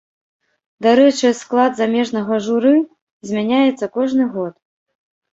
Дарэчы, склад замежнага журы змяняецца кожны год.